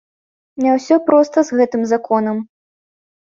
Не ўсё проста з гэтым законам.